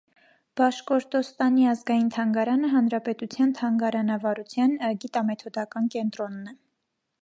Բաշկորտոստանի ազգային թանգարանը հանրապետության թանգարանավարության գիտամեթոդական կենտրոնն է։